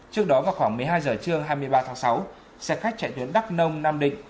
trước đó vào khoảng một mươi hai h trưa hai mươi ba tháng sáu xe khách chạy tuyến đắk nông nam định